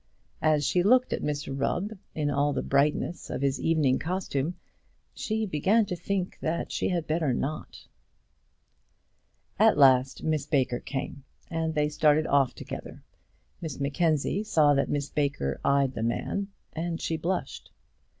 As she looked at Mr Rubb in all the brightness of his evening costume, she began to think that she had better not. At last Miss Baker came, and they started off together. Miss Mackenzie saw that Miss Baker eyed the man, and she blushed.